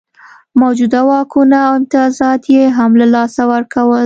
موجوده واکونه او امتیازات یې هم له لاسه ورکول.